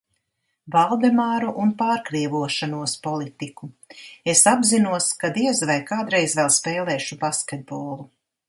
Valdemāru un pārkrievošanos politiku. Es apzinos, ka diez vai kādreiz vēl spēlēšu basketbolu.